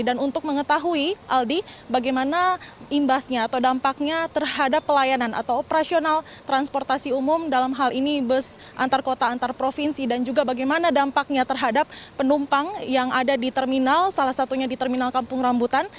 dan untuk mengetahui aldi bagaimana imbasnya atau dampaknya terhadap pelayanan atau operasional transportasi umum dalam hal ini bus antar kota antar provinsi dan juga bagaimana dampaknya terhadap penumpang yang ada di terminal salah satunya di terminal kampung rambutan